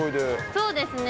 そうですね。